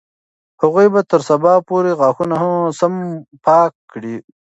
هغوی به تر سبا پورې غاښونه سم پاک کړي وي.